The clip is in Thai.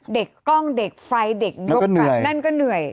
กล้องเด็กไฟเด็กยกนั่นก็เหนื่อย